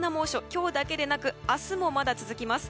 今日だけでなく明日も続きます。